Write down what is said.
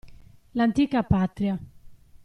L'antica patria.